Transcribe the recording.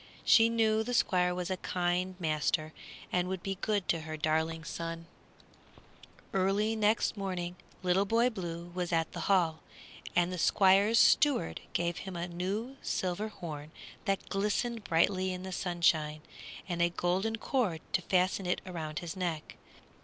She knew the Squire was a kind master and would be good to her darling son. Early the next morning Little Boy Blue was at the Hall, and the Squire's steward gave him a new silver horn, that glistened brightly in the sunshine, and a golden cord to fasten it around his neck.